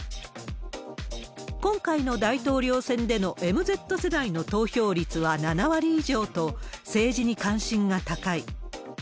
今回の大統領選でのＭＺ世代の投票率は７割以上と、政治に関心が高い。